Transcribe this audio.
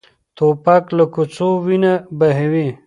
توپک له کوڅو وینه بهوي.